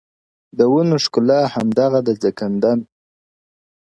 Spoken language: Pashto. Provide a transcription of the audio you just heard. د ونو ښکلا همدغه د ځنګدن -